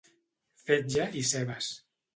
Fetge i cebes.